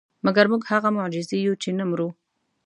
مګر موږ هغه معجزې یو چې نه مرو.